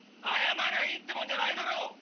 あやまりゃいいってもんじゃないだろう。